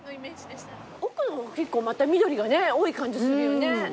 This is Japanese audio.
奥の方結構また緑が多い感じするよね。